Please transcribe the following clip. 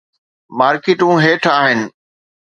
مارڪيٽون هيٺ آهن.